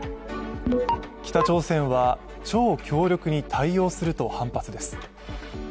北朝鮮は超強力に対応すると反発です。